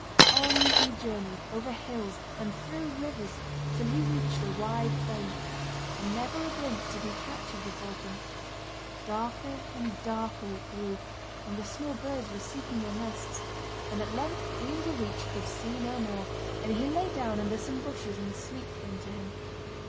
On he journeyed, over hills, and through rivers till he reached a wide plain, and never a glimpse did he catch of the falcon. Darker and darker it grew, and the small birds were seeking their nests, and at length Ian Direach could see no more, and he lay down under some bushes and sleep came to him.